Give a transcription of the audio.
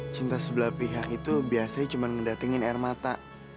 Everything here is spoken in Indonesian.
cinta sebelah pihak itu biasanya cuma mendatangin air mata